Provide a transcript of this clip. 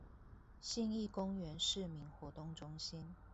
信義公園市民活動中心